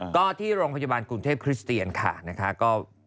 ก็ที่โรงพยาบาลกรุงเทพคริสเตียนค่ะนะคะ